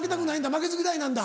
負けず嫌いなんだ。